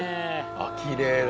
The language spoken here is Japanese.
あきれいだ。